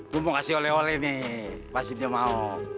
gue mau kasih oleh oleh nih pasti dia mau